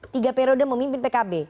tiga periode memimpin pkb